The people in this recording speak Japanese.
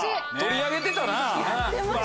取り上げてたな。